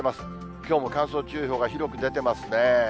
きょうも乾燥注意報が広く出てますね。